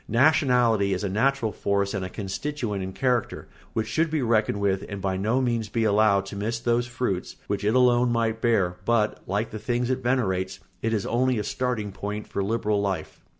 Nationality is a natural force and a constituent in character which should be reckoned with and by no means be allowed to miss those fruits which it alone might bear; but, like the things it venerates, it is only a starting point for liberal life.